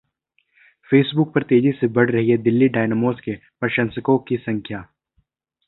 Facebook पर तेजी से बढ़ रही है दिल्ली डायनामोस के प्रशंसकों की संख्या